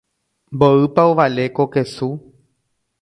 Mboýpa ovale ko kesu.